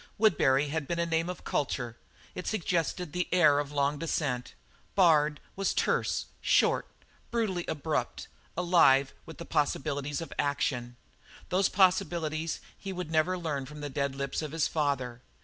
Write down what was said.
"Woodbury" had been a name of culture; it suggested the air of a long descent. "Bard" was terse, short, brutally abrupt, alive with possibilities of action. Those possibilities he would never learn from the dead lips of his father.